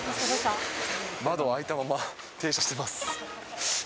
窓開いたまま停車しています。